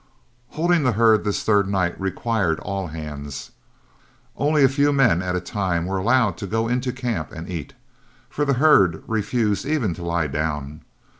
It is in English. Holding the herd this third night required all hands. Only a few men at a time were allowed to go into camp and eat, for the herd refused even to lie down.